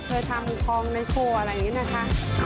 เคยทำทองในครัวอะไรอย่างนี้นะคะ